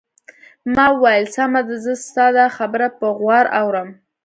ما وویل: سمه ده، زه ستا دا خبره په غور اورم.